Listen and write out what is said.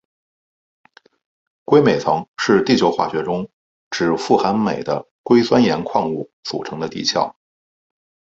硅镁层是地球化学中指富含镁的硅酸盐矿物组成的地壳。